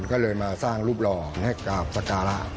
ก็เลยมาสร้างรูปหล่อให้กับสการะ